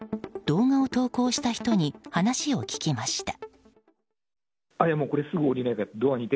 動画を投稿した人に話を聞きました。